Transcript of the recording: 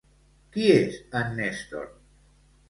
Qui és en Nestor?